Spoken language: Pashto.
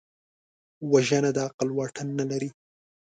وژنه د عقل واټن نه لري